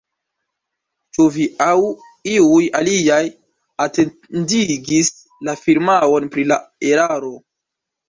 Ĉu vi aŭ iuj aliaj atentigis la firmaon pri la eraro?